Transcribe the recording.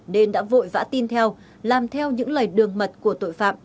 nên đã vội vã tin theo làm theo những lời đường mật của tội phạm